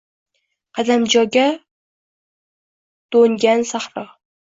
Qadamjoga doʼngan sahro.